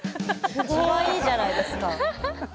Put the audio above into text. かわいいじゃないですか。